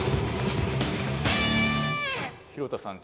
廣田さん